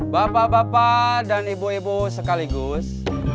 bapak bapak dan ibu ibu sekaligus